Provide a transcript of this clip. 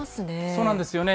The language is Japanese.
そうなんですよね。